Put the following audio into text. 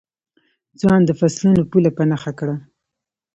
ځوان د فصلونو پوله په نښه کړه.